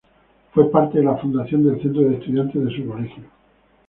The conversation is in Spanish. Fue parte de la fundación del centro de estudiantes de su colegio.